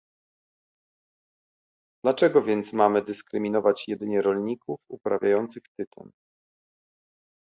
Dlaczego więc mamy dyskryminować jedynie rolników uprawiających tytoń?